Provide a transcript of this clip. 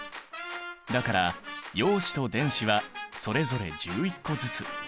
だから陽子と電子はそれぞれ１１個ずつ。